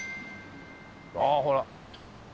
ああほら。